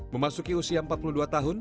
memasuki usia empat puluh dua tahun